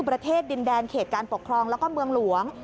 ประเทศดินแดนเขตการปกครองแล้วก็เมืองหลวง